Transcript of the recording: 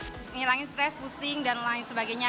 menghilangin stres pusing dan lain sebagainya